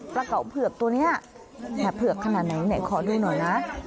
เก๋าเผือกตัวนี้แห่เผือกขนาดไหนไหนขอดูหน่อยนะ